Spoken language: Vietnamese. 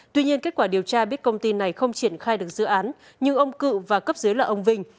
tuy nhiên kết quả điều tra biết công ty này không triển khai được dự án nhưng ông cự và cấp dưới là ông vinh